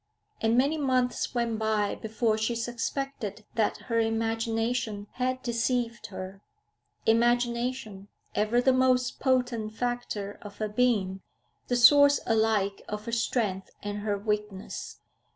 And many months went by before she suspected that her imagination had deceived her; imagination, ever the most potent factor of her being, the source alike of her strength and her weakness.